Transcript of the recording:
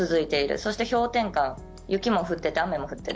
そして、氷点下雪も降ってて雨も降ってる。